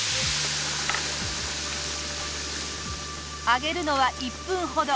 揚げるのは１分ほど。